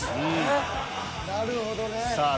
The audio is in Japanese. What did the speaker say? なるほどね。